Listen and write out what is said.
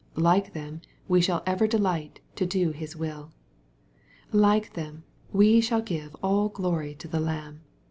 Like them, we shall ever delight to do His' will. Like them, we shall give all glory to the Lamb.